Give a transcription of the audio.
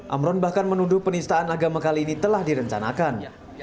amron bahkan menuduh penistaan agama kali ini telah direncanakan